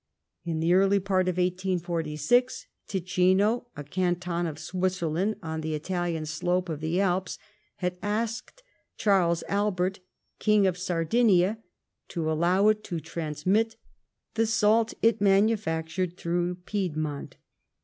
In the early part of 1846, Ticino, a canton of Switzerland, on the Italian slope of the Alps, had asked Charles Albert, King of Sardinia, to allow it to transmit the salt it manufactured through Piedmont.